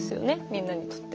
みんなにとって。